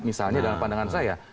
misalnya dalam pandangan saya